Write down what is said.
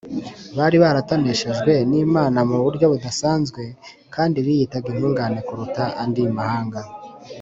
bari baratoneshejwe n’imana mu buryo budasanzwe, kandi biyitaga inyungane kuruta andi mahanga